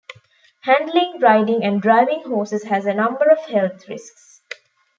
Handling, riding, and driving horses has a number of health risks.